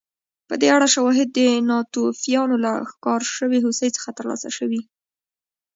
په دې اړه شواهد د ناتوفیانو له ښکار شوې هوسۍ څخه ترلاسه شوي